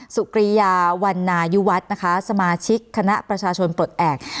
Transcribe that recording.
สุกรียาวันนายุวัฒน์นะคะสมาชิกคณะประชาชนปลดแอบ